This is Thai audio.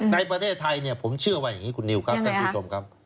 ในประเทศไทยผมเชื่อว่าอย่างนี้คุณนิวครับการดูสมครับ